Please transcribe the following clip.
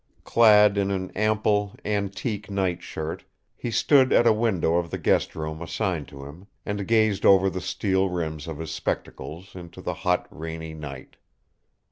Clad in an ample, antique night shirt, he stood at a window of the guest room assigned to him and gazed over the steel rims of his spectacles into the hot, rainy night.